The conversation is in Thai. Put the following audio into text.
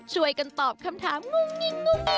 ช่วยกันตอบคำถามงุ่งงิ่ง